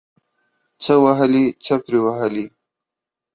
څه وهلي ، څه پري وهلي.